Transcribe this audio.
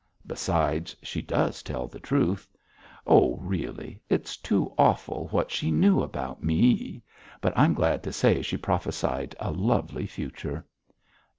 Besides, she does tell the truth; oh, really, it's too awful what she knew about me. But I'm glad to say she prophesied a lovely future.'